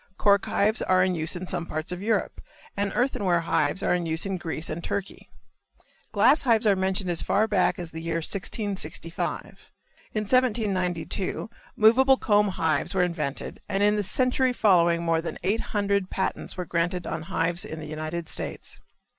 Cork hives are in use in some parts of Europe, and earthenware hives are in use in Greece and Turkey. Glass hives are mentioned as far back as the year 1665. In 1792 movable comb hives were invented and in the century following more than eight hundred patents were granted on hives in the United States.